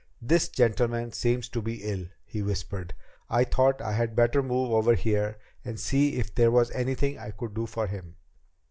"This gentleman seemed to be ill," he whispered. "I thought I had better move over here and see if there was anything I could do for him."